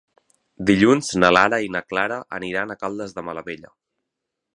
Dilluns na Lara i na Clara aniran a Caldes de Malavella.